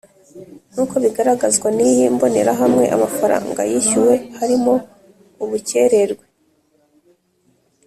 Nk uko bigaragazwa n iyi mbonerahamwe amafaranga yishyuwe harimo ubukererwe